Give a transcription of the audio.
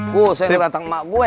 gue sering rantang emak gue